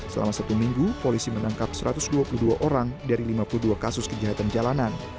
selama satu minggu polisi menangkap satu ratus dua puluh dua orang dari lima puluh dua kasus kejahatan jalanan